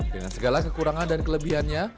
dengan segala kekurangan dan kelebihannya